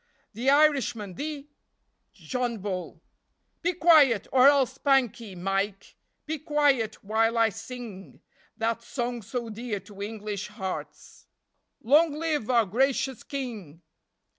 The Irishman, the John Bull: Be quiet, or I'll spank ye, Mike; Be quiet while I sing That song so dear to English hearts— " Long live our gracious King!